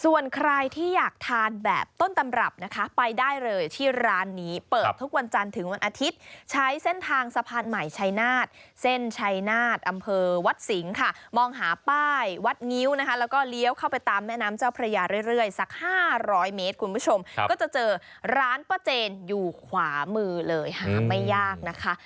ส่วนใครที่อยากทานแบบต้นตำรับนะคะไปได้เลยที่ร้านนี้เปิดทุกวันจันทร์ถึงวันอาทิตย์ใช้เส้นทางสะพานใหม่ชัยนาศเส้นชัยนาฏอำเภอวัดสิงห์ค่ะมองหาป้ายวัดงิ้วนะคะแล้วก็เลี้ยวเข้าไปตามแม่น้ำเจ้าพระยาเรื่อยสัก๕๐๐เมตรคุณผู้ชมก็จะเจอร้านป้าเจนอยู่ขวามือเลยหาไม่ยากนะคะ